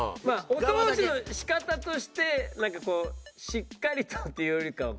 お掃除の仕方としてなんかこうしっかりとっていうよりかはこう。